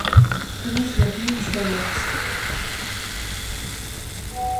ქმნის მუდმივ წყვილებს.